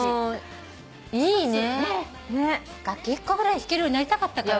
楽器１個ぐらい弾けるようになりたかったから。